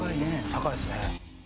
高いですね。